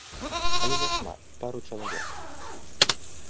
Але не шмат, пару чалавек.